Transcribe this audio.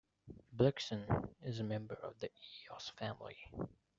"Blixen" is a member of the Eos family.